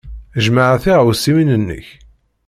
Jmeɛ tiɣawsiwin-nnek.